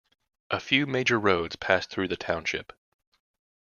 A few major roads pass through the township.